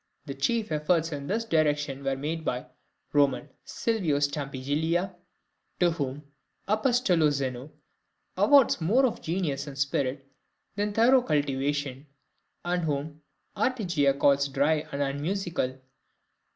The chief efforts in this direction were made by the Roman Silvio Stampiglia (d. 1722), to whom Apostolo Zeno awards more of genius and spirit than thorough cultivation, and whom Arteaga calls dry and unmusical.